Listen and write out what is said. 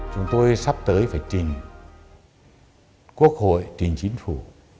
chúng tôi sắp tới phải trình quốc hội trình chính phủ